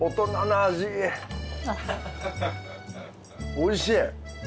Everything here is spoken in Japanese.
おいしい。